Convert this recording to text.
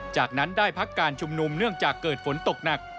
จากนั้นได้พักการชุมนุมเนื่องจากเกิดฝนตกหนัก